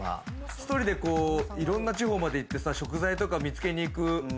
１人で地方に行って食材とか見つけに行く。